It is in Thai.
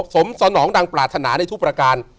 สมสนองดังปรารถนาในทุกประการ